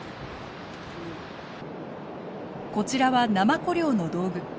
こちらはナマコ漁の道具。